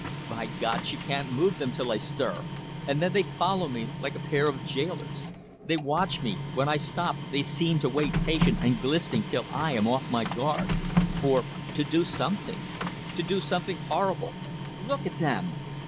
By God she can't move them till I stir, and then they follow me like a pair of jailers. They watch me; when I stop they seem to wait patient and glistening till I am off my guard for to do something. To do something horrible. Look at them!